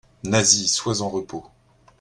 Nasie, sois en repos.